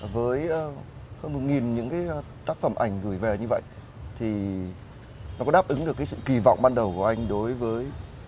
với hơn một những cái tác phẩm ảnh gửi về như vậy thì nó có đáp ứng được cái sự kỳ vọng ban đầu của anh đối với